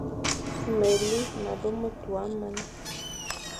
Meli ma be tua man,